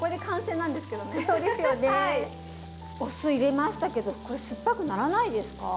お酢入れましたけどこれ酸っぱくならないですか？